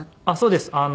あっそうですか。